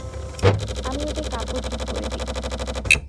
আমি ওদের কাপড় ঠিক করে দেই।